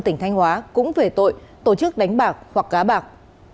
tỉnh thanh hóa cũng về tội tổ chức đánh bạc hoặc gá bạc